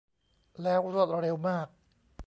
แล้วรวดเร็วมาก